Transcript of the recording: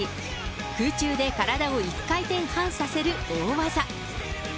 空中で体を１回転半させる大技。